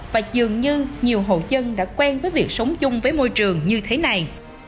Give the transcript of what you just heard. và dường như nhiều hộ dân đã quen với việc sống chung với môi trường như thế này